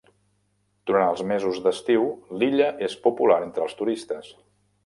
Durant els mesos d'estiu, l'illa és popular entre els turistes.